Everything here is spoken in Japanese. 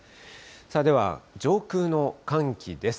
では上空の寒気です。